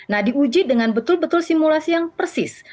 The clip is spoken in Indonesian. nah diuji dengan betul betul simulasi yang persis